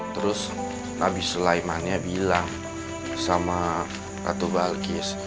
terus habis sulaimannya bilang sama ratu balkis